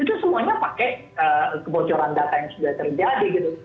itu semuanya pakai kebocoran data yang sudah terjadi gitu